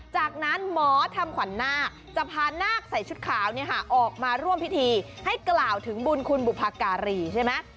จากนั้นหมอทำขวัญนาคจะพานาคใส่ชุดขาวออกมาร่วมพิธีให้กล่าวถึงบุญคุณบุพการีใช่ไหม